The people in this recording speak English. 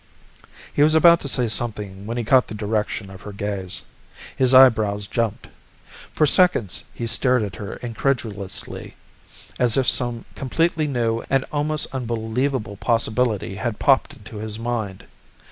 He was about to say something when he caught the direction of her gaze. His eyebrows jumped. For seconds he stared at her incredulously, as if some completely new and almost unbelievable possibility had popped into his mind.